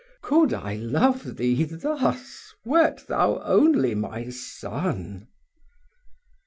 Could I love thee thus wert thou only my son?"